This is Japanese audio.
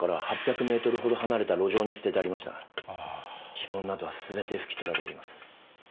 指紋などは全て拭き取られています。